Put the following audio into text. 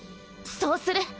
そうする。